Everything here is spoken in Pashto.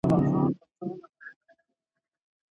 په قلم خط لیکل د معلوماتو د تحلیل توان زیاتوي.